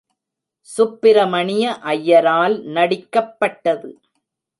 சுப்பிரமணிய அய்யரால் நடிக்கப்பட்டது.